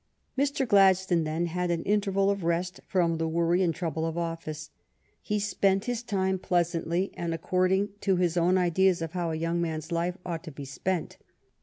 Mr. Gladstone then had an interval of rest from the worry and trouble of office. He spent his time pleasantly, and according to his own ideas of how a young man's life ought to be spent.